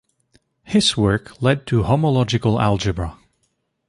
His work led to homological algebra.